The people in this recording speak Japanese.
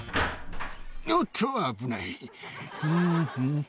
おっと危ない。